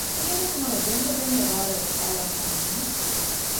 ހީވަނީ ހަމަ ދެންމެ ދެންމެ ވާރޭ އޮއްސާލައިފާނެ ހެން